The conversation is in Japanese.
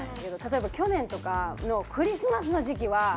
例えば去年とかのクリスマスの時期は。